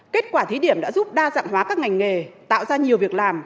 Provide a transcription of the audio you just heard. kết quả thí điểm đã giúp đa dạng hóa các ngành nghề tạo ra nhiều việc làm